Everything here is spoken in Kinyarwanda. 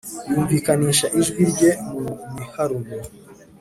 yumvikanisha ijwi rye mu miharuro,